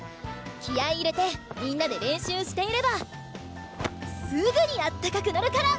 気合い入れてみんなで練習していればすぐにあったかくなるから。